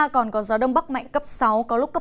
còn có gió đông bắc mạnh cấp sáu có lúc cấp sáu